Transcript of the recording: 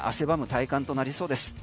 体感となりそうです。